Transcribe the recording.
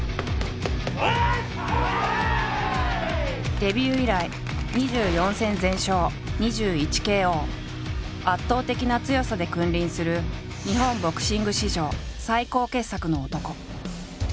デビュー以来圧倒的な強さで君臨する日本ボクシング史上最高傑作の男。